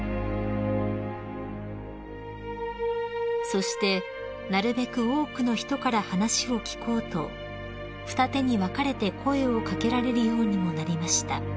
［そしてなるべく多くの人から話を聞こうと二手に分かれて声を掛けられるようにもなりました］